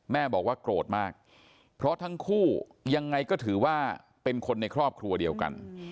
แม่บอกว่าโกรธมากเพราะทั้งคู่ยังไงก็ถือว่าเป็นคนในครอบครัวเดียวกัน